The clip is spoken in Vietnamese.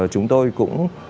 chúng tôi cũng